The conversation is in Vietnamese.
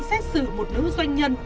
xét xử một nữ doanh nhân